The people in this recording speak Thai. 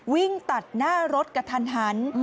วิ่งตัดหน้ารถกระทันหัน